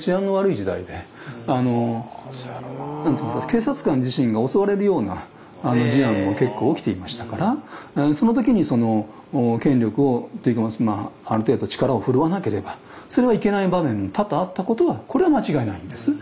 警察官自身が襲われるような事案も結構起きていましたからその時に権力をある程度力を振るわなければそれはいけない場面多々あったことはこれは間違いないんです。